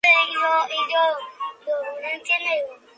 La parte literal la constituyen las letras de la expresión.